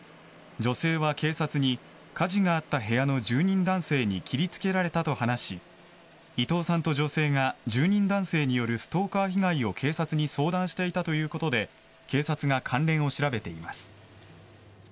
女性は警察に火事があった部屋の住人男性に切りつけられたと話し伊藤さんと女性が住人男性によるストーカー被害を警察に相談していたということで警察が関連を調べています。